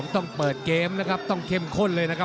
ต้องเปิดเกมนะครับต้องเข้มข้นเลยนะครับ